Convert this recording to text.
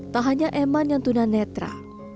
tak hanya eman yang tunan netra